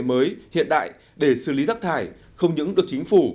mới hiện đại để xử lý rác thải không những được chính phủ